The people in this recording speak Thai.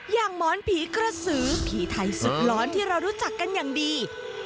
หมอนผีกระสือผีไทยสุดร้อนที่เรารู้จักกันอย่างดี